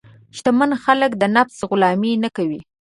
شتمن خلک د نفس غلامي نه کوي.